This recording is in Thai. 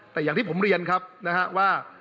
แต่อย่างที่ผมเรียนครับนะฮะว่า